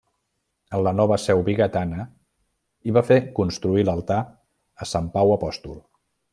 En la nova seu vigatana hi va fer construir l’altar a sant Pau apòstol.